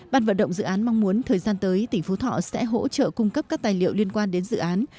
ban vận động dự án mong muốn thời gian tới tỉnh phú thọ sẽ hỗ trợ cung cấp các tài liệu liên quan đến dự án